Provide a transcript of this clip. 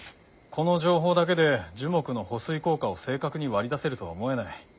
この情報だけで樹木の保水効果を正確に割り出せるとは思えない。